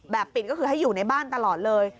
ปิดก็คือให้อยู่ในบ้านตลอดเลย